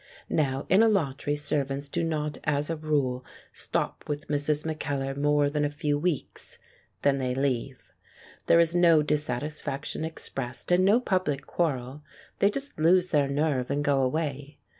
Now in Alatri servants do not, as a rule, stop with Mrs. Mackellar more than a few weeks. Then they leave. There is no dissatisfaction expressed and no public quarrel. They just lose their nerve and go away.